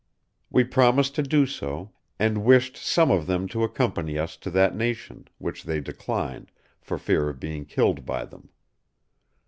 We promised to do so, and wished some of them to accompany us to that nation, which they declined, for fear of being killed by them.